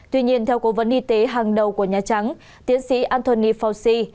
tuy nhiên theo cố vấn y tế hàng đầu của nhà trắng tiến sĩ anthony fauci